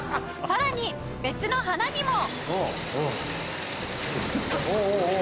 さらに別の花にも